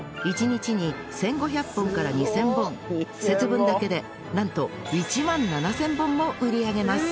１日に１５００本から２０００本節分だけでなんと１万７０００本も売り上げます